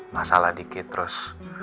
masalah dikit terus